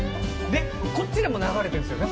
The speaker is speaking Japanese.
こっちでも流れてるんですよね？